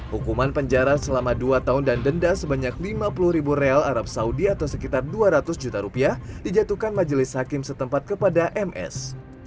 hukuman penjara selama dua tahun dan denda sebanyak lima puluh ribu real arab saudi atau sekitar dua ratus juta rupiah dijatuhkan majelis hakim setempat kepada ms